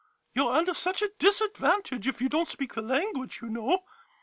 You 're under such a disadvantage if you don't speak the language, you know.